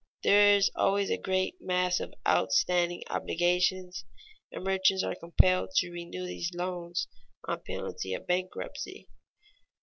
There is always a great mass of outstanding obligations, and merchants are compelled to renew these loans on penalty of bankruptcy.